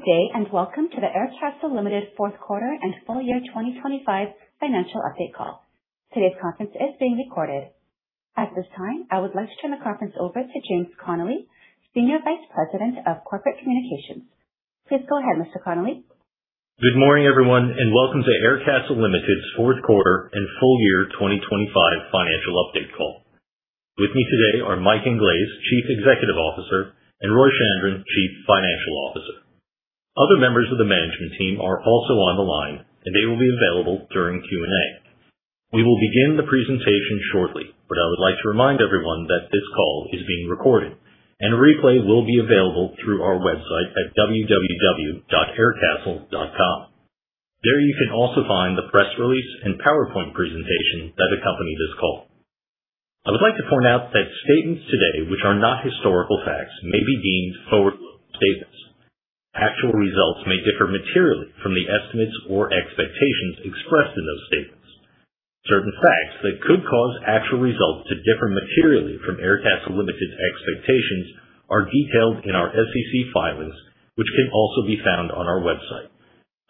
Good day, welcome to the Aircastle Limited fourth quarter and full year 2025 financial update call. Today's conference is being recorded. At this time, I would like to turn the conference over to Jim Connelly, Senior Vice President of Corporate Communications. Please go ahead, Mr. Connelly. Good morning, everyone, welcome to Aircastle Limited's fourth quarter and full year 2025 financial update call. With me today are Michael Inglese, Chief Executive Officer, and Roy Chandran, Chief Financial Officer. Other members of the management team are also on the line. They will be available during Q&A. We will begin the presentation shortly, but I would like to remind everyone that this call is being recorded, and a replay will be available through our website at www.aircastle.com. There you can also find the press release and PowerPoint presentation that accompany this call. I would like to point out that statements today, which are not historical facts, may be deemed forward-looking statements. Actual results may differ materially from the estimates or expectations expressed in those statements. Certain facts that could cause actual results to differ materially from Aircastle Limited's expectations are detailed in our SEC filings, which can also be found on our website.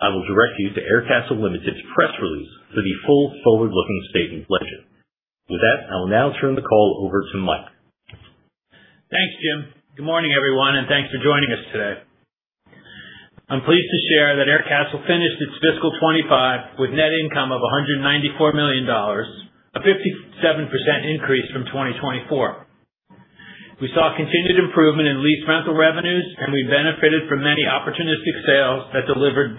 I will direct you to Aircastle Limited's press release for the full forward-looking statement legend. With that, I will now turn the call over to Mike. Thanks, Jim. Good morning, everyone, thanks for joining us today. I'm pleased to share that Aircastle finished its fiscal 2025 with net income of $194 million, a 57% increase from 2024. We saw continued improvement in lease rental revenues. We benefited from many opportunistic sales that delivered $96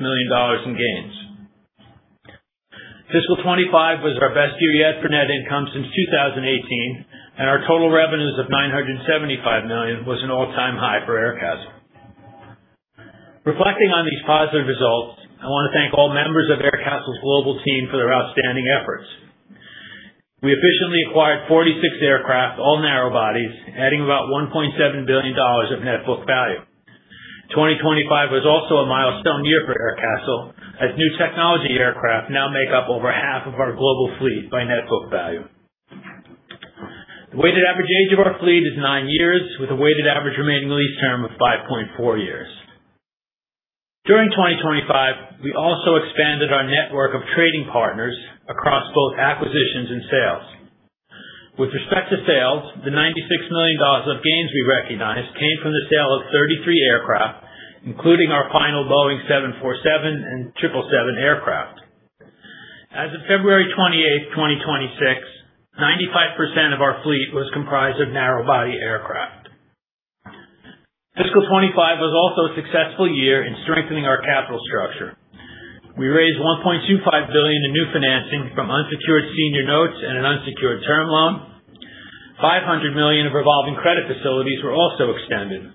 million in gains. Fiscal 2025 was our best year yet for net income since 2018. Our total revenues of $975 million was an all-time high for Aircastle. Reflecting on these positive results, I want to thank all members of Aircastle's global team for their outstanding efforts. We efficiently acquired 46 aircraft, all narrow bodies, adding about $1.7 billion of net book value. 2025 was also a milestone year for Aircastle, as new technology aircraft now make up over half of our global fleet by net book value. The weighted average age of our fleet is 9 years, with a weighted average remaining lease term of 5.4 years. During 2025, we also expanded our network of trading partners across both acquisitions and sales. With respect to sales, the $96 million of gains we recognized came from the sale of 33 aircraft, including our final Boeing 747 and 777 aircraft. As of February 28th, 2026, 95% of our fleet was comprised of narrow-body aircraft. Fiscal 2025 was also a successful year in strengthening our capital structure. We raised $1.25 billion in new financing from unsecured senior notes and an unsecured term loan. $500 million of revolving credit facilities were also extended.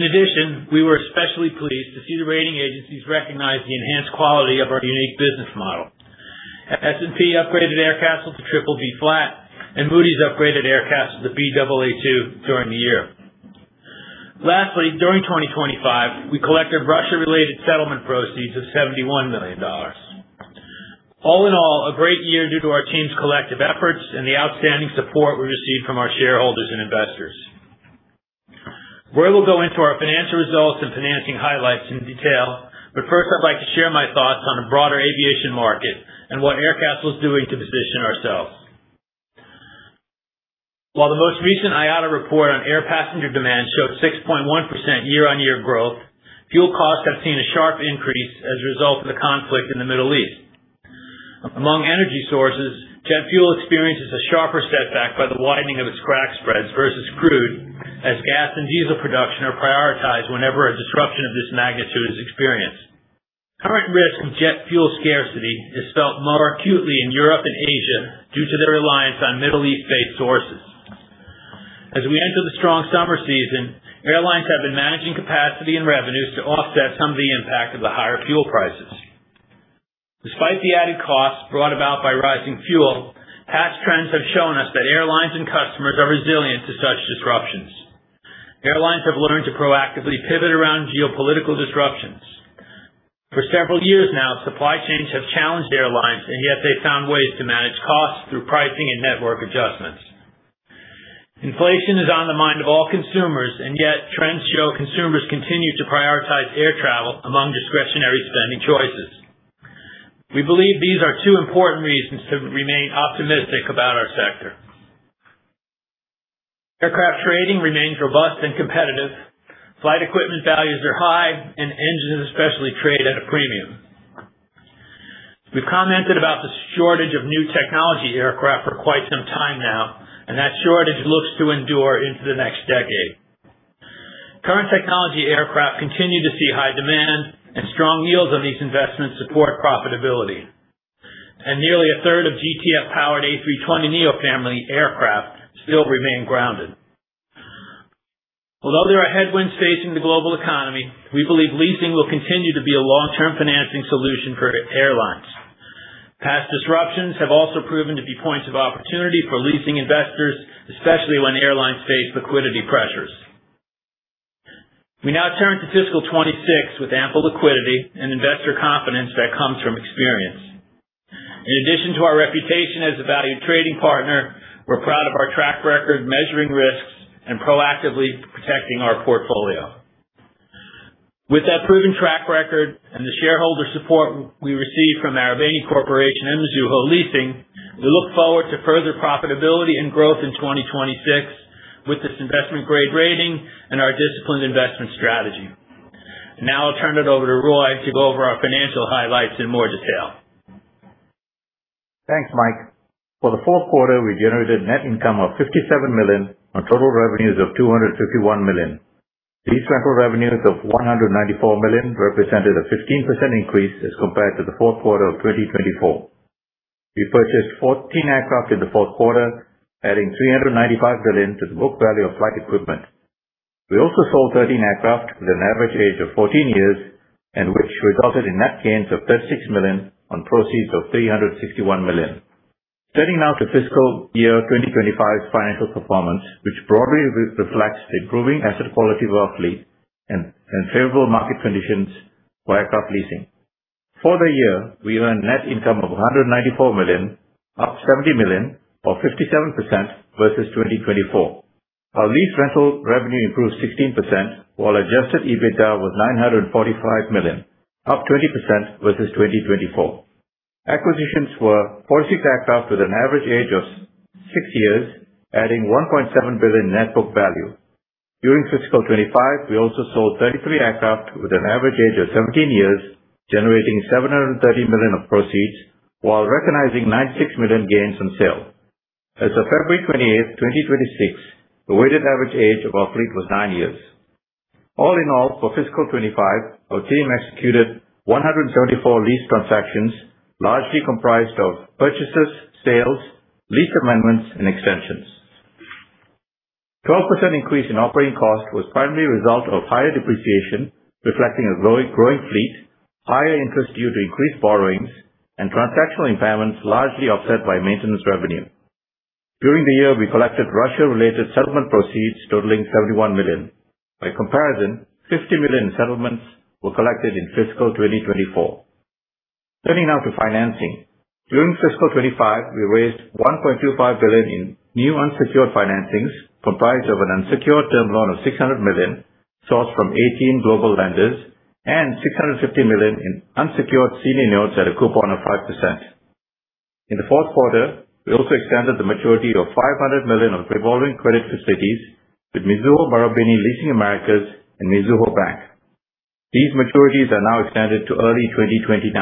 In addition, we were especially pleased to see the rating agencies recognize the enhanced quality of our unique business model. S&P upgraded Aircastle to BBB flat, and Moody's upgraded Aircastle to Baa2 during the year. Lastly, during 2025, we collected Russia-related settlement proceeds of $71 million. All in all, a great year due to our team's collective efforts and the outstanding support we received from our shareholders and investors. Roy will go into our financial results and financing highlights in detail, but first, I'd like to share my thoughts on a broader aviation market and what Aircastle is doing to position ourselves. While the most recent IATA report on air passenger demand showed 6.1% year-on-year growth, fuel costs have seen a sharp increase as a result of the conflict in the Middle East. Among energy sources, jet fuel experiences a sharper setback by the widening of its crack spreads versus crude, as gas and diesel production are prioritized whenever a disruption of this magnitude is experienced. Current risk from jet fuel scarcity is felt more acutely in Europe and Asia due to their reliance on Middle East-based sources. As we enter the strong summer season, airlines have been managing capacity and revenues to offset some of the impact of the higher fuel prices. Despite the added costs brought about by rising fuel, past trends have shown us that airlines and customers are resilient to such disruptions. Airlines have learned to proactively pivot around geopolitical disruptions. For several years now, supply chains have challenged airlines, yet they've found ways to manage costs through pricing and network adjustments. Inflation is on the mind of all consumers, yet trends show consumers continue to prioritize air travel among discretionary spending choices. We believe these are two important reasons to remain optimistic about our sector. Aircraft trading remains robust and competitive. Flight equipment values are high, engines especially trade at a premium. We've commented about the shortage of new technology aircraft for quite some time now, that shortage looks to endure into the next decade. Current technology aircraft continue to see high demand and strong yields of these investments support profitability. Nearly a third of GTF-powered A320neo family aircraft still remain grounded. Although there are headwinds facing the global economy, we believe leasing will continue to be a long-term financing solution for airlines. Past disruptions have also proven to be points of opportunity for leasing investors, especially when airlines face liquidity pressures. We now turn to fiscal 2026 with ample liquidity and investor confidence that comes from experience. In addition to our reputation as a valued trading partner, we're proud of our track record measuring risks and proactively protecting our portfolio. With that proven track record and the shareholder support we receive from Marubeni Corporation and Mizuho Leasing, we look forward to further profitability and growth in 2026 with this investment-grade rating and our disciplined investment strategy. Now I'll turn it over to Roy to go over our financial highlights in more detail. Thanks, Mike. For the fourth quarter, we generated net income of $57 million on total revenues of $251 million. Lease rental revenues of $194 million represented a 15% increase as compared to the fourth quarter of 2024. We purchased 14 aircraft in the fourth quarter, adding $395 million to the book value of flight equipment. We also sold 13 aircraft with an average age of 14 years, and which resulted in net gains of $36 million on proceeds of $361 million. Turning now to fiscal year 2025's financial performance, which broadly reflects the improving asset quality of our fleet and favorable market conditions for aircraft leasing. For the year, we earned net income of $194 million, up $70 million or 57% versus 2024. Our lease rental revenue improved 16%, while adjusted EBITDA was $945 million, up 20% versus 2024. Acquisitions were 46 aircraft with an average age of six years, adding $1.7 billion net book value. During fiscal 2025, we also sold 33 aircraft with an average age of 17 years, generating $730 million of proceeds while recognizing $96 million gains on sale. As of February 20th, 2026, the weighted average age of our fleet was nine years. All in all, for fiscal 2025, our team executed 174 lease transactions, largely comprised of purchases, sales, lease amendments and extensions. 12% increase in operating cost was primarily a result of higher depreciation, reflecting a growing fleet, higher interest due to increased borrowings, and transactional impairments largely offset by maintenance revenue. During the year, we collected Russia-related settlement proceeds totaling $71 million. By comparison, $50 million in settlements were collected in fiscal 2024. Turning now to financing. During fiscal 2025, we raised $1.25 billion in new unsecured financings, comprised of an unsecured term loan of $600 million sourced from 18 global lenders and $650 million in unsecured senior notes at a coupon of 5%. In the fourth quarter, we also extended the maturity of $500 million of revolving credit facilities with Mizuho Marubeni Leasing Americas and Mizuho Bank. These maturities are now extended to early 2029.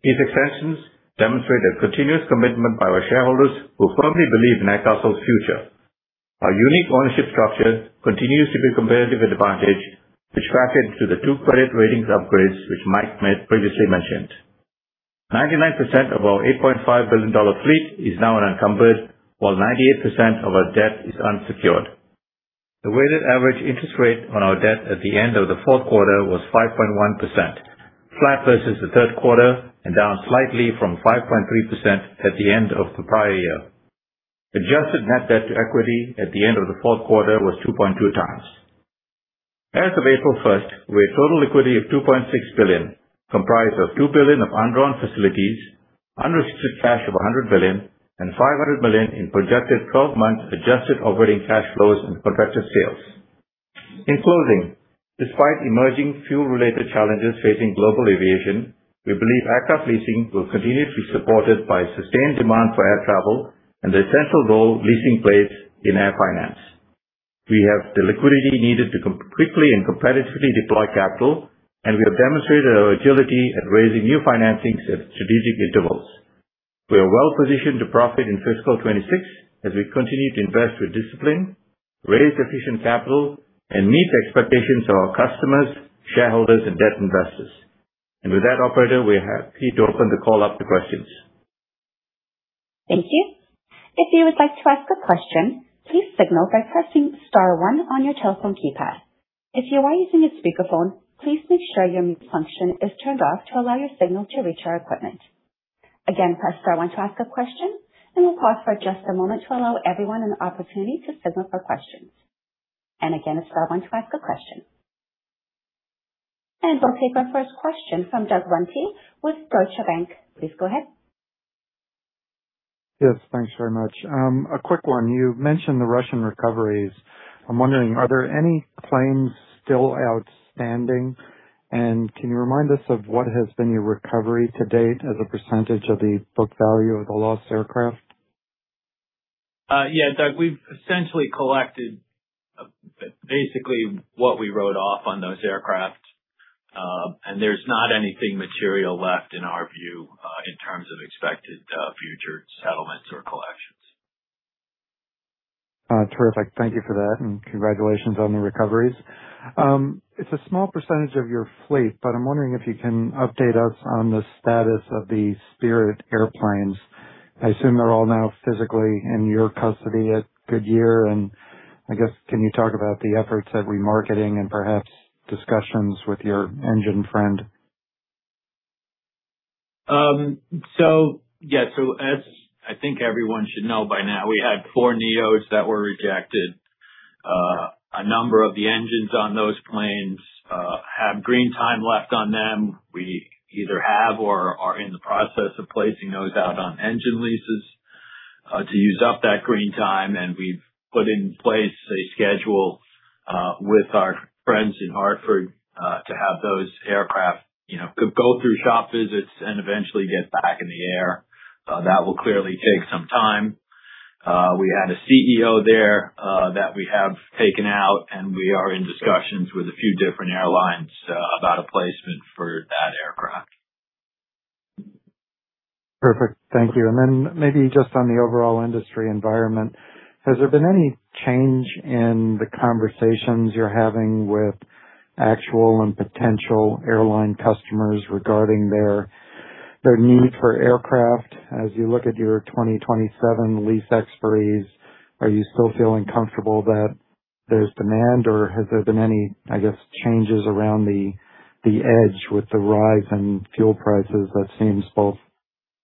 These extensions demonstrate a continuous commitment by our shareholders who firmly believe in Aircastle's future. Our unique ownership structure continues to be a competitive advantage, which factored to the two credit ratings upgrades, which Mike previously mentioned. 99% of our $8.5 billion fleet is now unencumbered, while 98% of our debt is unsecured. The weighted average interest rate on our debt at the end of the fourth quarter was 5.1%, flat versus the third quarter, and down slightly from 5.3% at the end of the prior year. Adjusted net debt to equity at the end of the fourth quarter was 2.2 times. As of April 1st, we had total liquidity of $2.6 billion, comprised of $2 billion of undrawn facilities, unrestricted cash of $100 million, and $500 million in projected 12 months adjusted operating cash flows from contracted sales. In closing, despite emerging fuel-related challenges facing global aviation, we believe Aircastle will continue to be supported by sustained demand for air travel and the essential role leasing plays in air finance. We have the liquidity needed to quickly and competitively deploy capital, we have demonstrated our agility at raising new financings at strategic intervals. We are well-positioned to profit in fiscal 2026 as we continue to invest with discipline, raise efficient capital, and meet the expectations of our customers, shareholders, and debt investors. With that, operator, we are happy to open the call up to questions. Thank you. If you would like to ask a question, please signal by pressing star one on your telephone keypad. If you are using a speakerphone, please make sure your mute function is turned off to allow your signal to reach our equipment. Again, press star one to ask a question and we will pause for just a moment to allow everyone an opportunity to signal for questions. Again, press star one to ask a question. We will take our first question from Doug Runte with Deutsche Bank. Please go ahead. Yes, thanks very much. A quick one. You mentioned the Russian recoveries. I am wondering, are there any claims still outstanding? Can you remind us of what has been your recovery to date as a percentage of the book value of the lost aircraft? Yeah, Doug, we've essentially collected basically what we wrote off on those aircraft. There's not anything material left in our view, in terms of expected future settlements or collections. Terrific. Thank you for that. Congratulations on the recoveries. It's a small percentage of your fleet. I'm wondering if you can update us on the status of the Spirit Airlines airplanes. I assume they're all now physically in your custody at Goodyear. I guess can you talk about the efforts at remarketing and perhaps discussions with your engine friend? As I think everyone should know by now, we had four NEOs that were rejected. A number of the engines on those planes have green time left on them. We either have or are in the process of placing those out on engine leases to use up that green time. We've put in place a schedule, with our friends in Hartford, to have those aircraft go through shop visits and eventually get back in the air. That will clearly take some time. We had a CFM there that we have taken out. We are in discussions with a few different airlines about a placement for that aircraft. Perfect. Thank you. Then maybe just on the overall industry environment, has there been any change in the conversations you're having with actual and potential airline customers regarding their need for aircraft? As you look at your 2027 lease expiries, are you still feeling comfortable that there's demand, or has there been any, I guess, changes around the edge with the rise in fuel prices that seems both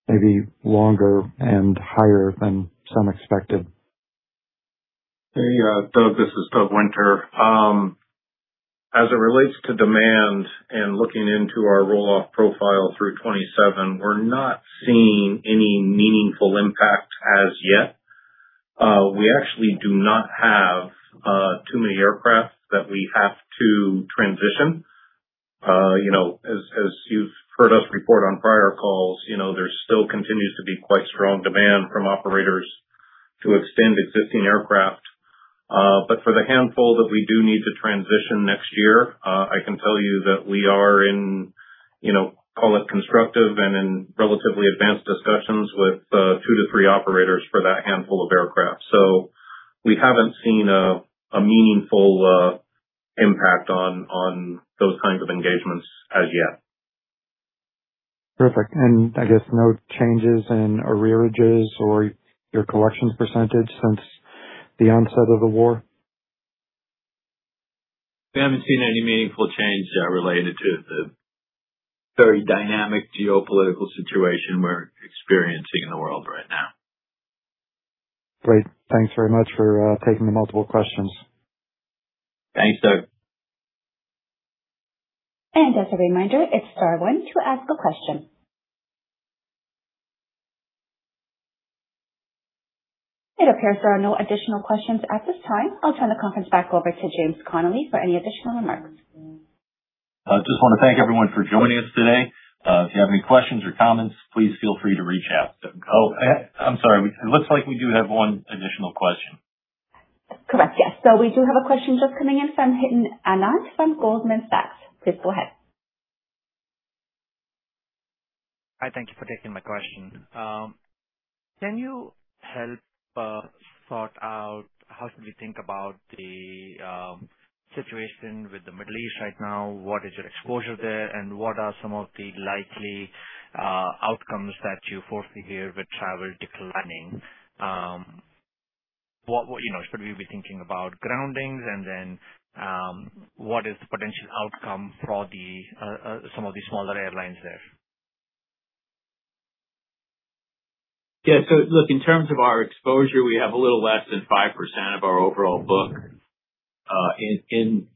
maybe longer and higher than some expected? Hey, Doug, this is Doug Winter. As it relates to demand and looking into our roll-off profile through 2027, we're not seeing any meaningful impact as yet. We actually do not have too many aircraft that we have to transition. As you've heard us report on prior calls, there still continues to be quite strong demand from operators to extend existing aircraft. For the handful that we do need to transition next year, I can tell you that we are in, call it constructive and in relatively advanced discussions with two to three operators for that handful of aircraft. We haven't seen a meaningful impact on those kinds of engagements as yet. Perfect. I guess no changes in arrearages or your collections % since the onset of the war? We haven't seen any meaningful change related to the very dynamic geopolitical situation we're experiencing in the world right now. Great. Thanks very much for taking the multiple questions. Thanks, Doug. As a reminder, if star one to ask a question. It appears there are no additional questions at this time. I'll turn the conference back over to Jim Connelly for any additional remarks. I just want to thank everyone for joining us today. If you have any questions or comments, please feel free to reach out. Oh, I'm sorry. It looks like we do have one additional question. Correct. Yes. We do have a question just coming in from Abhinav Anand from Goldman Sachs. Please go ahead. Hi. Thank you for taking my question. Can you help sort out how should we think about the situation with the Middle East right now? What is your exposure there, and what are some of the likely outcomes that you foresee here with travel declining? Should we be thinking about groundings, what is the potential outcome for some of the smaller airlines there? Yeah. Look, in terms of our exposure, we have a little less than 5% of our overall book in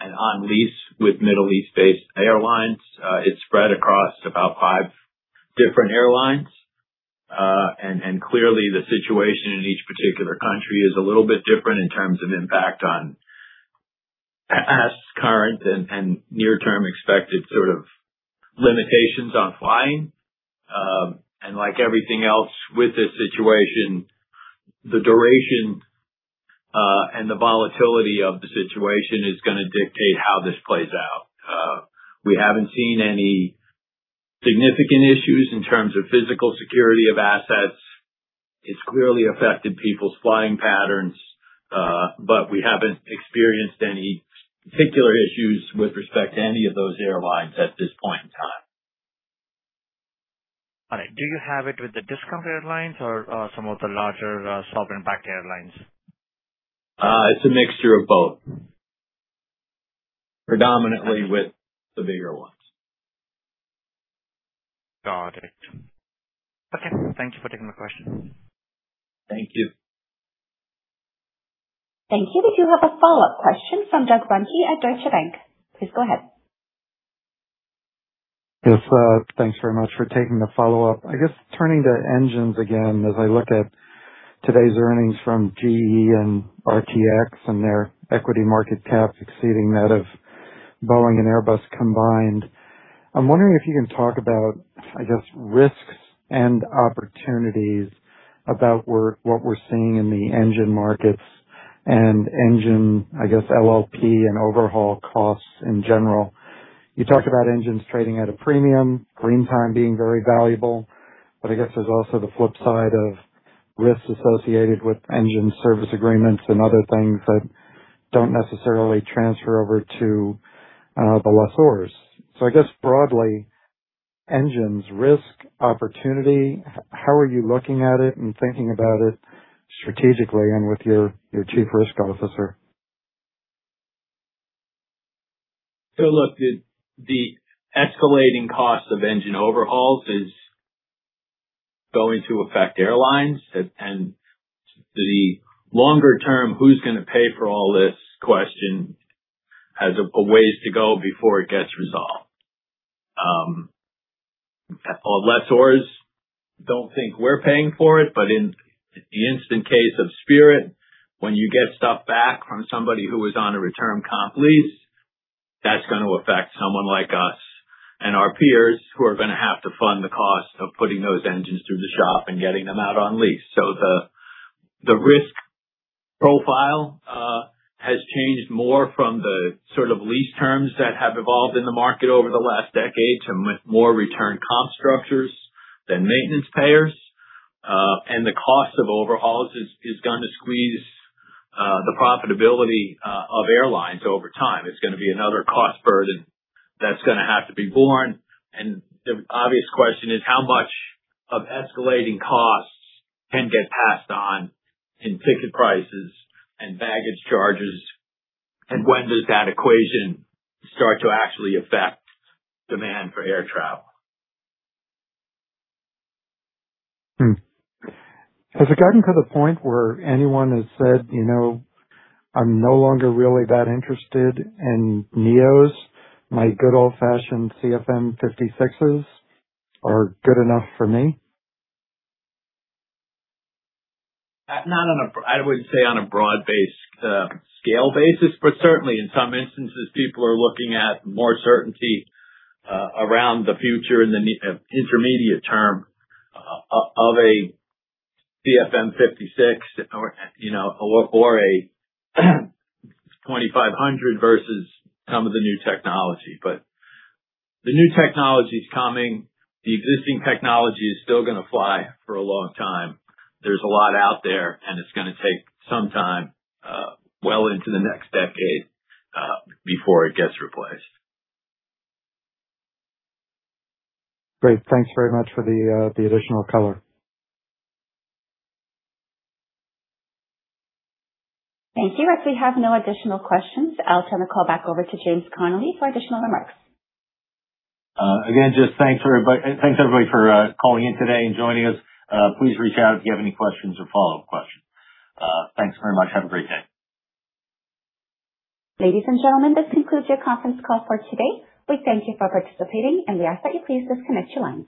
and on lease with Middle East-based airlines. It's spread across about five different airlines. Clearly, the situation in each particular country is a little bit different in terms of impact on past, current, and near-term expected sort of limitations on flying. Like everything else with this situation, the duration, and the volatility of the situation is going to dictate how this plays out. We haven't seen any significant issues in terms of physical security of assets. It's clearly affected people's flying patterns. We haven't experienced any particular issues with respect to any of those airlines at this point in time. All right. Do you have it with the discount airlines or some of the larger sovereign backed airlines? It's a mixture of both. Predominantly with the bigger ones. Got it. Okay. Thank you for taking my question. Thank you. Thank you. We do have a follow-up question from Doug Runte at Deutsche Bank. Please go ahead. Thanks very much for taking the follow-up. I guess, turning to engines again, as I look at today's earnings from GE and RTX and their equity market cap exceeding that of Boeing and Airbus combined, I'm wondering if you can talk about, I guess, risks and opportunities about what we're seeing in the engine markets and engine, I guess, LLP and overhaul costs in general. You talked about engines trading at a premium, green time being very valuable, but I guess there's also the flip side of risks associated with engine service agreements and other things that don't necessarily transfer over to the lessors. I guess broadly, engines risk, opportunity, how are you looking at it and thinking about it strategically and with your Chief Risk Officer? Look, the escalating cost of engine overhauls is going to affect airlines, and the longer-term who's-going-to-pay-for-all-this question has a ways to go before it gets resolved. Lessors don't think we're paying for it, but in the instant case of Spirit, when you get stuff back from somebody who was on a return comp lease, that's going to affect someone like us and our peers who are going to have to fund the cost of putting those engines through the shop and getting them out on lease. The risk profile has changed more from the lease terms that have evolved in the market over the last decade to more return comp structures than maintenance payers. The cost of overhauls is going to squeeze the profitability of airlines over time. It's going to be another cost burden that's going to have to be borne, and the obvious question is how much of escalating costs can get passed on in ticket prices and baggage charges, and when does that equation start to actually affect demand for air travel? Has it gotten to the point where anyone has said, "I'm no longer really that interested in NEOs. My good old-fashioned CFM56s are good enough for me"? I wouldn't say on a broad-based scale basis. Certainly in some instances, people are looking at more certainty around the future in the intermediate term of a CFM56 or a V2500 versus some of the new technology. The new technology's coming. The existing technology is still going to fly for a long time. There's a lot out there, and it's going to take some time, well into the next decade, before it gets replaced. Great. Thanks very much for the additional color. Thank you. If we have no additional questions, I'll turn the call back over to Jim Connelly for additional remarks. Again, just thanks, everybody, for calling in today and joining us. Please reach out if you have any questions or follow-up questions. Thanks very much. Have a great day. Ladies and gentlemen, this concludes your conference call for today. We thank you for participating, and we ask that you please disconnect your lines.